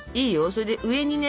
それで上にね